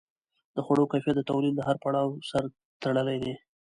د خوړو کیفیت د تولید له هر پړاو سره تړلی دی.